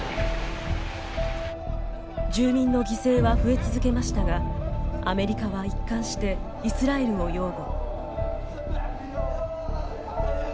住民の犠牲は増え続けましたがアメリカは一貫してイスラエルを擁護。